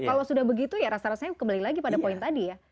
kalau sudah begitu ya rasa rasanya kembali lagi pada poin tadi ya